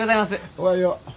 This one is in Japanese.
おはよう。